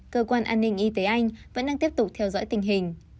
cơ quan an ninh y tế anh vẫn đang tiếp tục theo dõi tình hình